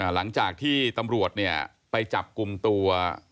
หลังจากที่ตำรวจไปจับกลุ่มตัว